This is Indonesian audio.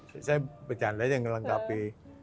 saya bercanda saja mengelengkapi